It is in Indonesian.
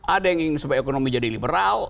ada yang ingin supaya ekonomi jadi liberal